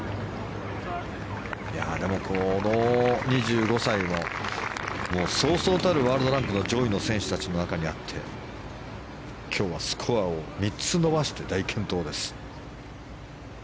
でもこの２５歳もそうそうたるワールドランクの上位の選手たちの中にあって今日はスコアを３つ伸ばして大健闘です。